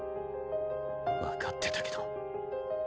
わかってたけど。